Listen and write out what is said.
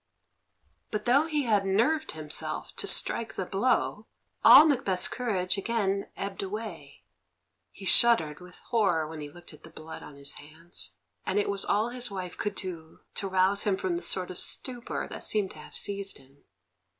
But though he had nerved himself to strike the blow, all Macbeth's courage again ebbed away. He shuddered with horror when he looked at the blood on his hands, and it was all his wife could do to rouse him from the sort of stupor that seemed to have seized him.